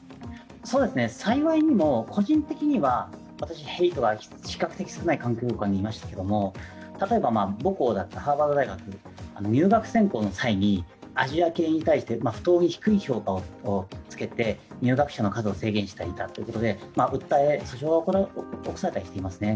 幸いにも、個人的には私、ヘイトは比較的少ない環境下におりましたけども例えば、母校だったハーバード大学の入学選考の際にアジア系に対して不当に低い評価をつけて入学者の数を制限していたということで訴え、訴訟を起こされたりしていますね。